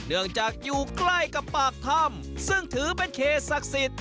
เนื่องจากอยู่ใกล้กับปากถ้ำซึ่งถือเป็นเขตศักดิ์สิทธิ์